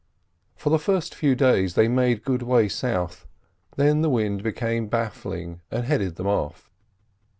For the first few days they made good way south; then the wind became baffling and headed them off.